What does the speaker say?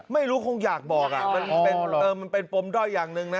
ไม่รู้คงอยากบอกมันเป็นปมด้อยอย่างหนึ่งนะ